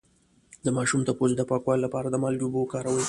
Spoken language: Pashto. د ماشوم د پوزې د پاکوالي لپاره د مالګې اوبه وکاروئ